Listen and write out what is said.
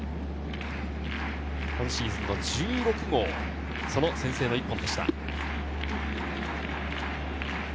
今シーズン１６号、その先制の一本でした。